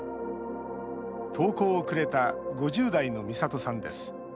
投稿をくれた５０代の、みさとさんです。